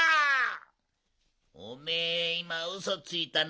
おめえいまウソついたな？